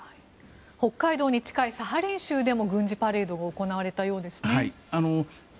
北海道に近いサハリン州でも軍事パレードが行われたようですね。